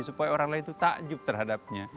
supaya orang lain itu takjub terhadapnya